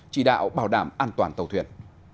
chỉ đạo bảo đảm an toàn tàu thuyền